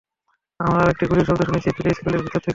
আমরা আরেকটি গুলির শব্দ শুনেছি প্লে স্কুলের ভিতর থেকে।